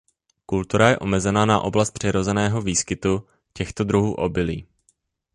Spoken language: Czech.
Kultura je omezena na oblast přirozeného výskytu těchto druhů obilí.